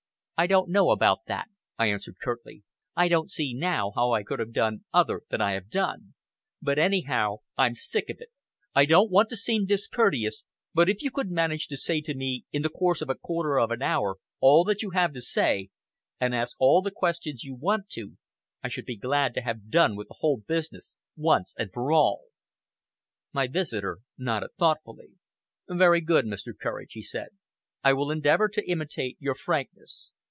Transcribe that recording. "I don't know about that," I answered curtly. "I don't see now how I could have done other than I have done. But anyhow, I'm sick of it. I don't want to seem discourteous, but if you could manage to say to me, in the course of a quarter of an hour, all that you have to say, and ask all the questions you want to, I should be glad to have done with the whole business, once and for all!" My visitor nodded thoughtfully. "Very good, Mr. Courage," he said. "I will endeavor to imitate your frankness.